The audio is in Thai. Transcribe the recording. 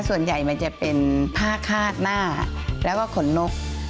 ส่วนใหญ่มันจะเป็นผ้าคาดหน้าแล้วก็ขนนก